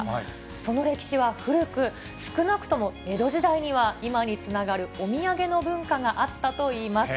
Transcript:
その歴史は古く、少なくとも江戸時代には今につながるお土産の文化があったといいます。